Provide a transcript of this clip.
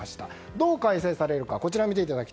どう改正されるか。